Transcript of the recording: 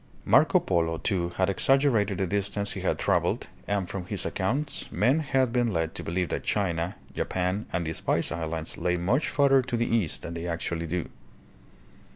Marco Polo too had exaggerated the distance he had traveled and from his accounts men had been led to believe that China, Japan, and the Spice Islands lay much further to the east than they actually do.